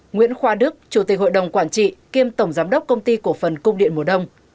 nguyễn khoa đức chủ tịch hội đồng quản trị kiêm tổng giám đốc công ty cổ phần cung điện mùa đông